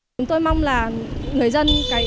chúng tôi mong là người dân